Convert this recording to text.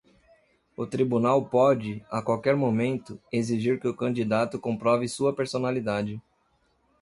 O tribunal pode, a qualquer momento, exigir que o candidato comprove sua personalidade.